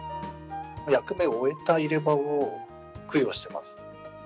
役目を終えた入れ歯を供養してます。